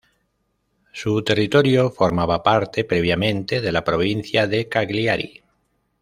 Su territorio formaba parte, previamente, de la provincia de Cagliari.